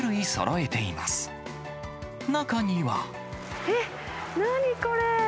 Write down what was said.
え、何これ？